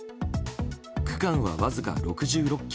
区間はわずか６６ｋｍ。